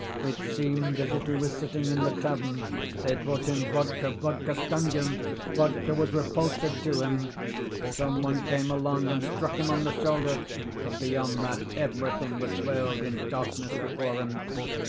It seemed as if he was sitting in the tavern: they brought him vodka; vodka stung him; vodka was repulsive to him. Some one came along and struck him on the shoulder; but beyond that everything was veiled in darkness before him.